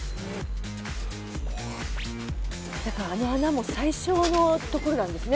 あの穴も最小のところなんですね。